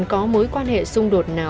có mối quan hệ xung đột nào với bạn hàng